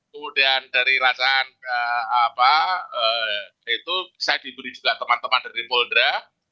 kemudian dari rasa itu saya diberi juga teman teman dari polda